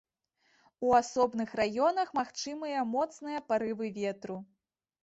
У асобных раёнах магчымыя моцныя парывы ветру.